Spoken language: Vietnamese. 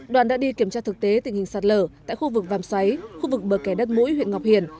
đoàn đã đi kiểm tra thực tế tình hình sạt lở tại khu vực vàm xoáy khu vực bờ kẻ đất mũi huyện ngọc hiển